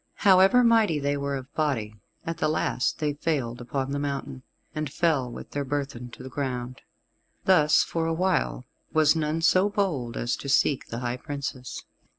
However mighty they were of body, at the last they failed upon the mountain, and fell with their burthen to the ground. Thus, for a while, was none so bold as to seek the high Princess.